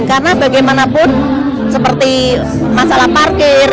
karena bagaimanapun seperti masalah parkir